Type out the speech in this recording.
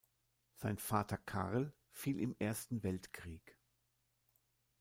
Sein Vater Karl fiel im Ersten Weltkrieg.